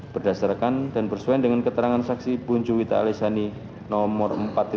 berdasarkan dan bersuai dengan keterangan saksi bunju wita alisani nomor empat empat belas